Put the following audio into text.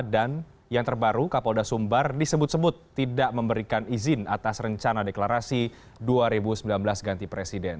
dan yang terbaru kapolda sumbar disebut sebut tidak memberikan izin atas rencana deklarasi dua ribu sembilan belas ganti presiden